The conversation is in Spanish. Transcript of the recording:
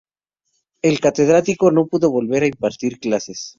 El catedrático no pudo volver a impartir clases.